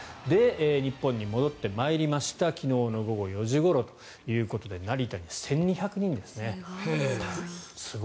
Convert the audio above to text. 日本に戻ってまいりました昨日の午後４時ごろということで成田に１２００人ですね。